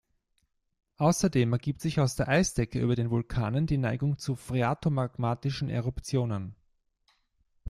Außerdem ergibt sich aus der Eisdecke über den Vulkanen die Neigung zu phreatomagmatischen Eruptionen.